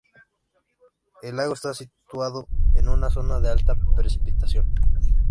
El lago está situado en una zona de alta precipitación.